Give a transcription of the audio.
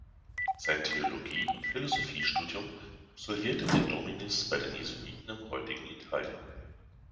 Sein Theologie- und Philosophiestudium absolvierte de Dominis bei den Jesuiten im heutigen Italien.